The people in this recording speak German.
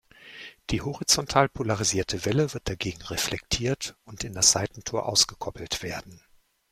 Die horizontal polarisierte Welle wird dagegen reflektiert und in das Seitentor ausgekoppelt werden.